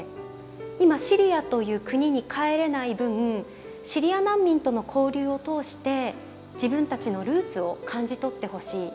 今シリアという国に帰れない分シリア難民との交流を通して自分たちのルーツを感じ取ってほしい。